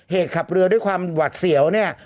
ขับเรือด้วยความหวัดเสียวเนี่ย